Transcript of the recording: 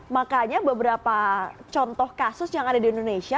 makanya beberapa contoh kasus yang ada di indonesia